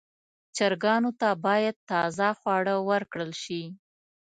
چرګانو ته باید تازه خواړه ورکړل شي.